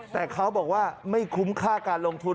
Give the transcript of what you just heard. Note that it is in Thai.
แต่เขาบอกว่าไม่คุ้มค่าการลงทุน